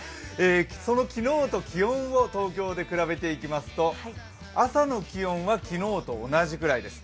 その昨日と気温を東京で比べていきますと、朝の気温は昨日と同じぐらいです。